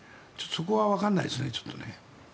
そこはわからないですね。